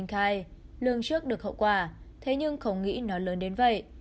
khai lương trước được hậu quả thế nhưng không nghĩ nó lớn đến vậy